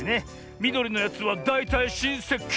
みどりのやつはだいたいしんせき！